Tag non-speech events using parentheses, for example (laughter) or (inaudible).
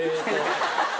ハハハ (laughs)